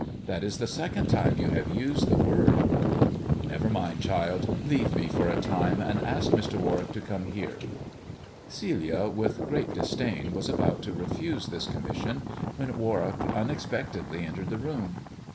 That is the second time you have used the word." " Never mind, child ! Leave me for a time, and ask Mr. Warwick to come here." Celia, with great disdain, was about to refuse this com mission, when "Warwick unexpectedly entered the room.